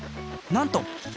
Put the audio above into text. なんと！